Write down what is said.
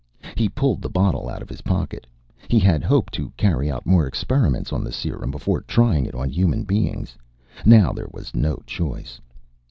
He pulled the bottle out of his pocket. He had hoped to carry out more experiments on the serum before trying it on human beings. Now there was no choice.